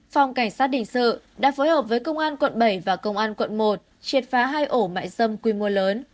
phòng cảnh sát hình sự đã phối hợp với công an quận bảy và công an quận một triệt phá hai ổ mại dâm quy mô lớn